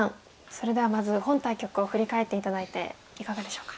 それではまず本対局を振り返って頂いていかがでしょうか？